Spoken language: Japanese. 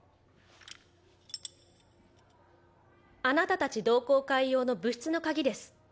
あなたたち同好会用の部室の鍵です。